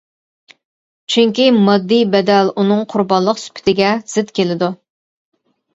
چۈنكى ماددىي بەدەل ئۇنىڭ قۇربانلىق سۈپىتىگە زىت كېلىدۇ.